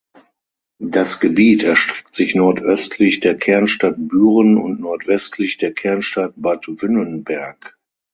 Das Gebiet erstreckt sich nordöstlich der Kernstadt Büren und nordwestlich der Kernstadt Bad Wünnenberg.